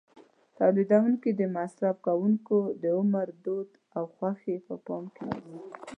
تولیدوونکي د مصرف کوونکو د عمر، دود او خوښې په پام کې نیسي.